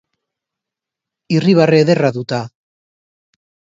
Irribarre ederra du eta!